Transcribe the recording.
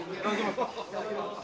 いただきます。